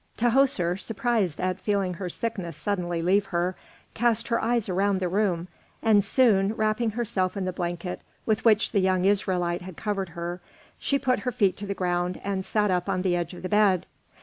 Tahoser, surprised at feeling her sickness suddenly leave her, cast her eyes around the room, and soon, wrapping herself in the blanket with which the young Israelite had covered her, she put her feet to the ground and sat up on the edge of the bed.